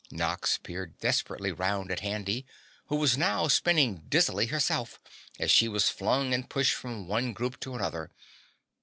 Nox peered desperately around at Handy, who was now spinning dizzily herself, as she was flung and pushed from one group to another.